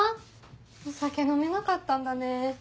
お酒飲めなかったんだね。